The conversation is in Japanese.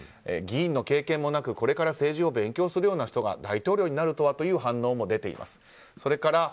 議員の経験もなくこれから政治を勉強するような人が大統領になるとはという声も出ています。